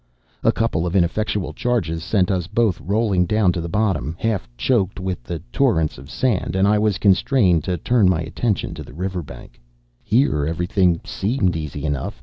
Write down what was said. A couple of ineffectual charges sent us both rolling down to the bottom, half choked with the torrents of sand; and I was constrained to turn my attention to the river bank. Here everything seemed easy enough.